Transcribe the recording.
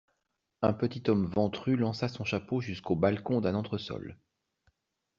Un petit homme ventru lança son chapeau jusqu'au balcon d'un entresol.